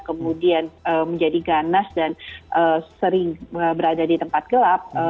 kemudian menjadi ganas dan sering berada di tempat gelap